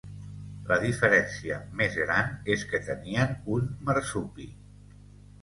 La diferència més gran és que tenien un marsupi.